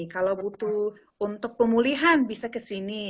kalau butuh untuk pemulihan bisa ke sini